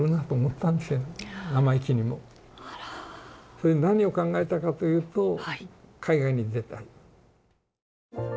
それで何を考えたかというと海外に出たい。